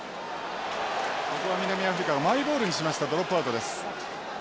ここは南アフリカがマイボールにしましたドロップアウトです。